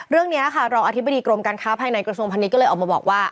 เรื่องนี้ค่ะรองอธิบดีกรมการค้าภายในกระทรวงพาณิชยก็เลยออกมาบอกว่า